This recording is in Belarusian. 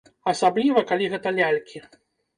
Асабліва, калі гэта лялькі.